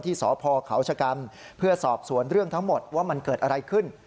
สพเขาชะกันเพื่อสอบสวนเรื่องทั้งหมดว่ามันเกิดอะไรขึ้น